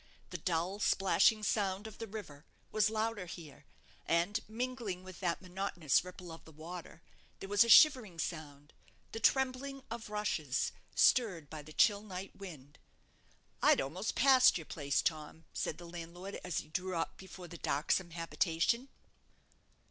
The dull, plashing sound of the river was louder here; and, mingling with that monotonous ripple of the water, there was a shivering sound the trembling of rushes stirred by the chill night wind. "I'd almost passed your place, Tom," said the landlord, as he drew up before the darksome habitation.